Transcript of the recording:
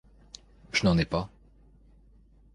Je n’en ai pas